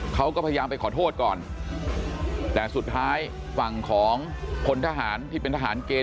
เขาก็พยายามไปขอโทษก่อนแต่สุดท้ายฝั่งของพลทหารที่เป็นทหารเกณฑ